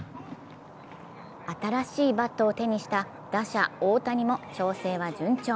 新しいバットを手にした打者・大谷も調整は順調。